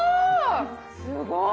すごい！